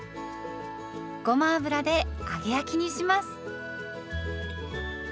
ごま油で揚げ焼きにします。